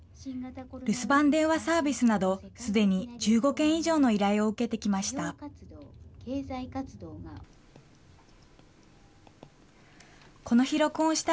留守番電話サービスなど、すでに１５件以上の依頼を受けてきました。